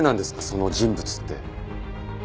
その人物って。